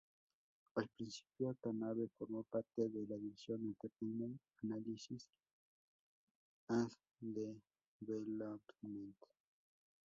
Al principio, Tanabe formó parte de la división Entertainment Analysis and Development.